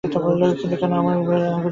কিন্তু কেন এলে এমন করে বেড়া-আগুনের মধ্যে?